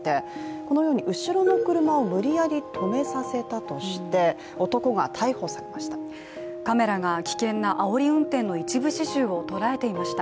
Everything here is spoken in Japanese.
このように後ろの車を無理やり止めさせたとして男が逮捕されました。